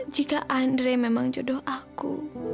jika andre memang jodoh aku